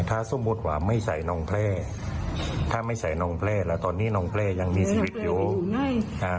ถ้าสมมติว่าไม่ใส่น้องแพร่แล้วตอนนี้น้องแพร่ยังมีชีวิตอยู่